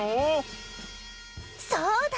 そうだ！